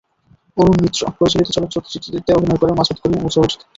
অরুণ মিত্র পরিচালিত চলচ্চিত্রটিতে অভিনয় করেন মাসুদ করিম এবং সরোজ দত্ত।